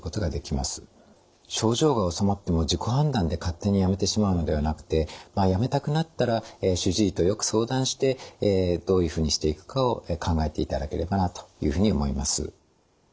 症状がおさまっても自己判断で勝手にやめてしまうのではなくてやめたくなったら主治医とよく相談してどういうふうにしていくかを考えていただければなというふうに思います。